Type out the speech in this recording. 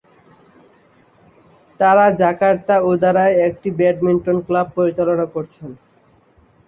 তারা জাকার্তা উদারায় একটি ব্যাডমিন্টন ক্লাব পরিচালনা করছেন।